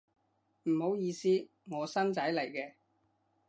唔好意思，我新仔嚟嘅